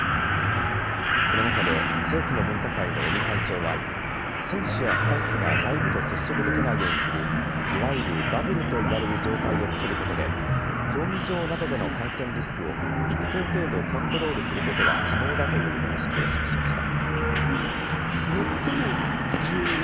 この中で政府の分科会の尾身会長は選手やスタッフが外部と接触できないようにするいわゆるバブルといわれる状態を作ることで競技場などでの感染リスクを一定程度コントロールすることは可能だという認識を示しました。